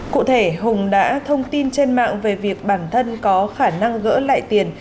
cụ thể hùng đã thông tin trên mạng về việc bản thân có khả năng gỡ lại tiền